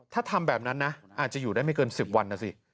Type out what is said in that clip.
ถ้าทำแบบนั้นนะอาจจะอยู่ได้ไม่เกิน๑๐วันนะสิ